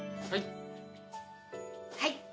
はい。